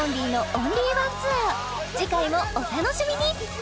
次回もお楽しみに！